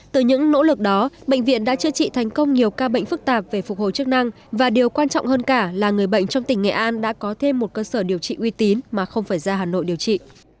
từ những nỗ lực đó bệnh viện đã chữa trị thành công nhiều ca bệnh phức tạp về phục hồi chức năng và điều quan trọng hơn cả là người bệnh trong tỉnh nghệ an đã có thêm một cơ sở điều trị uy tín mà không phải ra hà nội điều trị